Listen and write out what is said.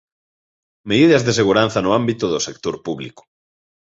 Medidas de seguranza no ámbito do sector público.